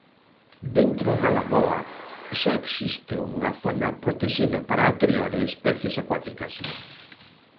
Dentro da lagoa xa existe unha zona protexida para a cría de especies acuáticas.